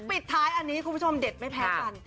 ปดท้ายของคุณผู้ชมด็ดไม่แพ้กัน